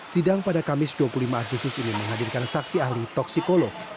sidang pada kamis dua puluh lima agustus ini menghadirkan saksi ahli toksikolog